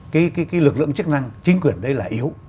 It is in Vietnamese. cái lực lượng chức năng chính quyền đây là yếu